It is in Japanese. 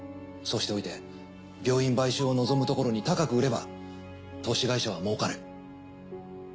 そうしておいて病院買収を望むところに高く売れば投資会社は儲かる。